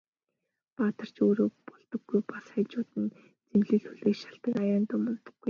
Баатар ч өөрөө болдоггүй, бас хажууд нь зэмлэл хүлээх шалтаг аяндаа мундахгүй.